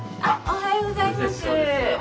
おはようございます。